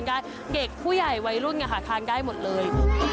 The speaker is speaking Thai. ก็ทานได้เก่งผู้ใหญ่วัยรุ่นค่ะทานได้หมดเลย